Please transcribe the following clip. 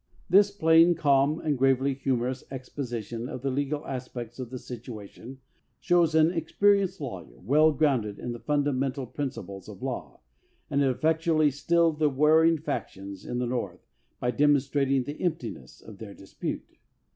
This plain, calm and gravely humorous ex position of the legal aspects of the situation shows an experienced lawyer well grounded in the fundamental principles of law, and it ef fectually stilled the warring factions in the North by demonstrating the emptiness of their dispute.